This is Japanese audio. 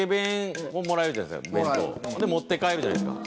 弁当持って帰るじゃないですか。